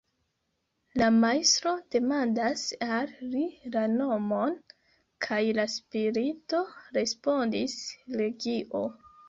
La Majstro demandas al li la nomon, kaj la spirito respondis: "legio".